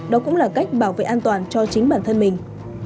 đó cũng là cách bảo vệ an toàn cho chính bản thân mình